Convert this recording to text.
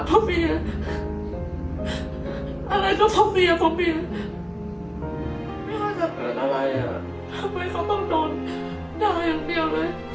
ทำไมเขาต้องโดนดายอย่างเดียวเลย